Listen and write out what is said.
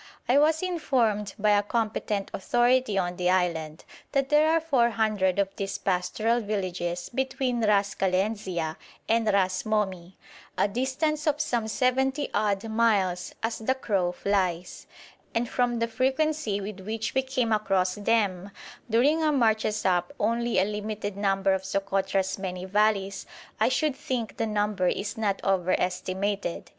I was informed by a competent authority on the island that there are four hundred of these pastoral villages between Ras Kalenzia and Ras Momi, a distance of some seventy odd miles as the crow flies; and from the frequency with which we came across them during our marches up only a limited number of Sokotra's many valleys, I should think the number is not over estimated.